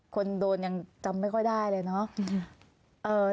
คนโดนยังจำไม่ค่อยได้เลยเนาะ